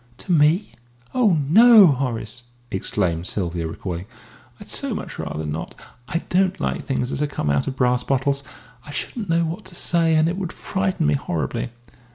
"To me? Oh, no, Horace!" exclaimed Sylvia, recoiling. "I'd so much rather not. I don't like things that have come out of brass bottles. I shouldn't know what to say, and it would frighten me horribly."